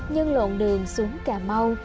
nhưng lộn đường xuống cà mau